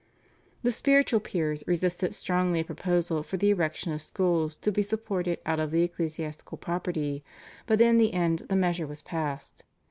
The spiritual peers resisted strongly a proposal for the erection of schools to be supported out of the ecclesiastical property, but in the end the measure was passed.